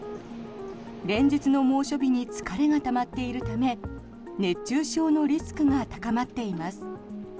連日の猛暑日に疲れがたまっているため熱中症のリスクが高まっています。